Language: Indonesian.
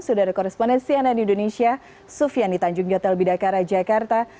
sudah ada korespondensi yang ada di indonesia sufian di tanjung jatel bidakara jakarta